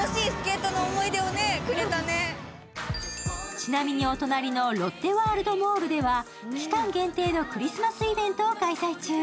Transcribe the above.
ちなみにお隣のロッテワールドモールでは期間限定のクリスマスイベントを開催中。